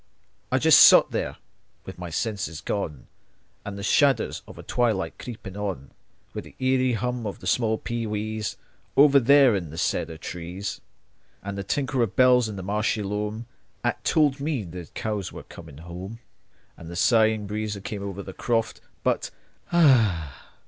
I just sot there with my senses gone, And the shadders of twilight a creepin' on, With the eerie hum of the small pee wees, Over there in the cedar trees, And the tinkle of bells in the marshy loam 'At told me the cows were coming home, And the sighing breeze came o'er the croft, But ah!